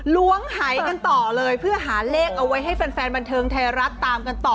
ล้วงหายกันต่อเลยเพื่อหาเลขเอาไว้ให้แฟนบันเทิงไทยรัฐตามกันต่อ